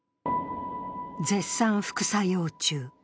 「絶賛副作用中」